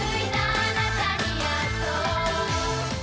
「あなたにやっと、」